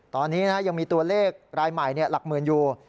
ตอนนี้ยังมีตัวเลขรายใหม่หลักหมื่นอยู่